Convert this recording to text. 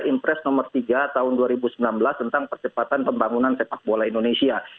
impres nomor tiga tahun dua ribu sembilan belas tentang percepatan pembangunan sepak bola indonesia